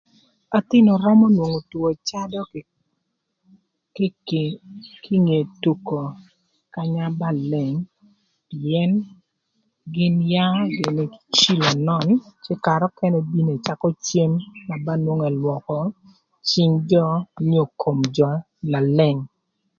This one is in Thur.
Ëthïnö römö nwongo two cadö kinge tuko kanya ba leng pïën gïn yaa gïnï cilo nön cë karë nökënë bino ëcakö cem na ba nwongo ëlwökö cïng jö onyo kom jö na leng.